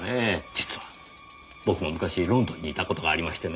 実は僕も昔ロンドンにいた事がありましてねぇ。